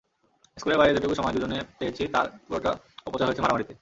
স্কুলের বাইরে যেটুকু সময় দুজন পেয়েছি, তার পুরোটা অপচয় হয়েছে মারামারিতে।